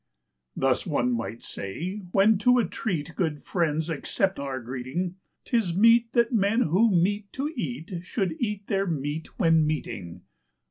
Thus, one might say, when to a treat good friends accept our greeting, 'Tis meet that men who meet to eat should eat their meat when meeting.